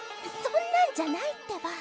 そんなんじゃないってば。